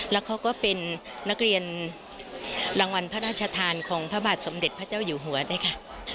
แล้วเขาก็เป็นนักเรียนรางวัลพระราชทานของพระบาทสมเด็จพระเจ้าอยู่หัวด้วยค่ะ